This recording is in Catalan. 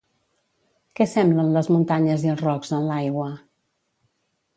Què semblen les muntanyes i els rocs en l'aigua?